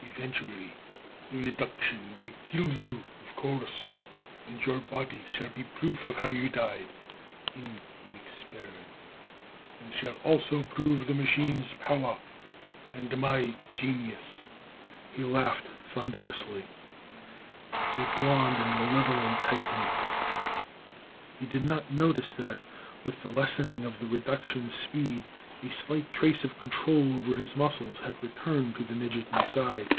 Eventually the reduction will kill you, of course; and your body shall be proof of how you died in an experiment and shall also prove the machine's power and my genius!" He laughed thunderously, a blond and malevolent titan. He did not notice that, with the lessening of the reduction's speed, a slight trace of control over his muscles had returned to the midget inside.